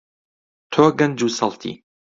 تۆ گەنج و سەڵتی.